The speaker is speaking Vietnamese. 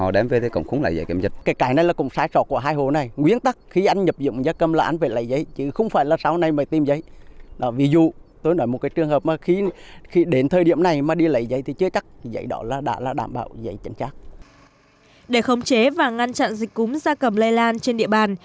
để khống chế và ngăn chặn dịch cúm gia cầm lây lan trên địa bàn